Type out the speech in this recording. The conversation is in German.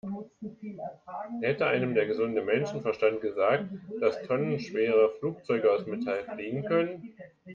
Hätte einem der gesunde Menschenverstand gesagt, dass tonnenschwere Flugzeuge aus Metall fliegen können?